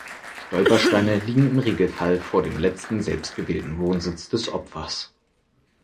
Stolpersteine liegen im Regelfall vor dem letzten selbstgewählten Wohnsitz des Opfers.